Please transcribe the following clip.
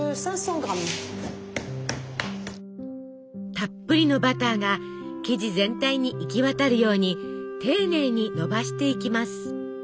たっぷりのバターが生地全体に行き渡るように丁寧にのばしていきます。